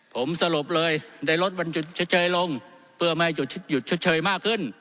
ผมสรุปเลยได้ลดวันหยุดชดเชยลงเพื่อไม่ให้หยุดชดเชยมากขึ้น